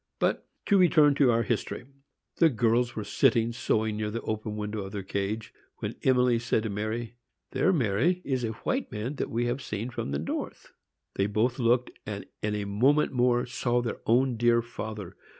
But to return to our history.—The girls were sitting sewing near the open window of their cage, when Emily said to Mary, "There, Mary, is that white man we have seen from the North." They both looked, and in a moment more saw their own dear father.